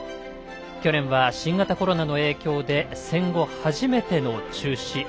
去年は新型コロナの影響で戦後初めての中止。